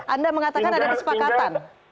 anda mengatakan ada kesepakatan